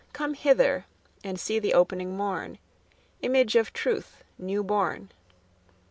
come hither And see the opening morn, Image of Truth new born.